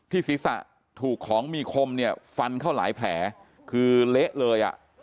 ศีรษะถูกของมีคมเนี่ยฟันเข้าหลายแผลคือเละเลยอ่ะ